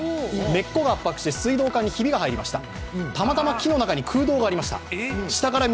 根っこが圧迫して水道管にひびが入りましたと。